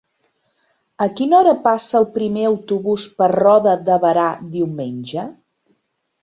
A quina hora passa el primer autobús per Roda de Berà diumenge?